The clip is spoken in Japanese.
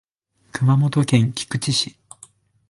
熊本県菊池市